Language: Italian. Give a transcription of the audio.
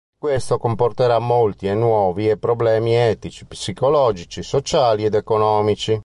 Questo comporterà molti e nuovi e problemi etici, psicologici, sociali ed economici.